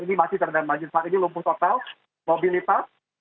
ini masih terendam banjir saat ini lumpuh total mobilitas